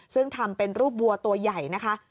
ซึ่งทำเป็นรูปวัวตัวใหญ่นะคะ